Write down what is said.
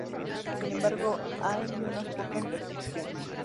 Sin embargo, hay unas pocas restricciones.